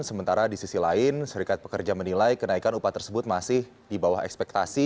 sementara di sisi lain serikat pekerja menilai kenaikan upah tersebut masih di bawah ekspektasi